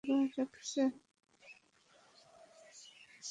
এখানে এতো ভীর কেনো লাগায় রাখছেন?